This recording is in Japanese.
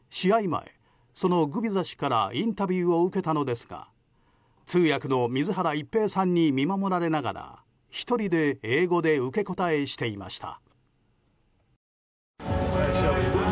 前そのグビザ氏からインタビューを受けたのですが通訳の水原一平さんに見守られながら１人で英語で受け答えしていました。